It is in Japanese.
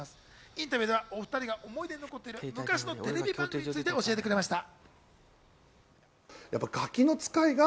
インタビューではお２人が思い出に残っている昔のテレビ番組について教えてくれました。